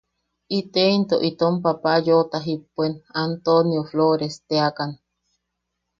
Iteinto itom papa yoʼota jipuen Antonio Floresteakan.